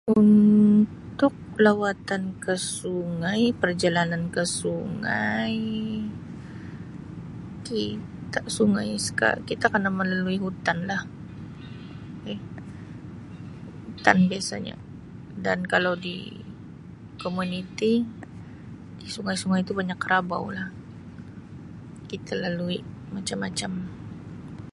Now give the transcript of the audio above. Untuk lawatan ke sungai perjalanan ke sungai kita, sungai seka-kita kena melalui hutan lah Um hutan biasanya dan kalau di komuniti sungai-sungai tu banyak karabau kita lalui macam-macam.